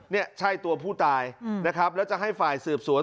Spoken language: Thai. นี่ใช่ตัวผู้ตายนะครับแล้วจะให้ฝ่ายสืบสวน